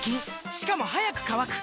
しかも速く乾く！